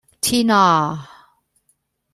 天呀